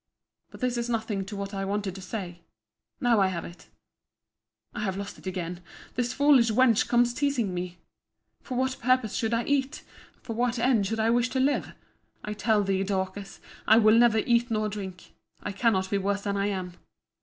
But this is nothing to what I wanted to say. Now I have it. I have lost it again—This foolish wench comes teasing me—for what purpose should I eat? For what end should I wish to live?—I tell thee, Dorcas, I will neither eat nor drink. I cannot be worse than I am.